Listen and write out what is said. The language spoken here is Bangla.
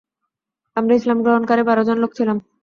আমরা ইসলাম গ্রহণকারী বার জন লোক ছিলাম।